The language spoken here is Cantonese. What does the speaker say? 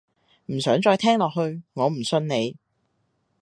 唔想再聽落去，我唔信你